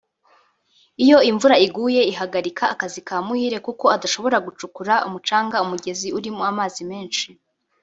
Iyo imvura iguye ihagarika akazi ka Muhire kuko adashobora gucukura umucanga umugezi urimo amazi menshi